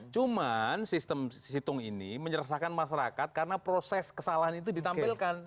cuman sistem situng ini menyeresahkan masyarakat karena proses kesalahan itu ditampilkan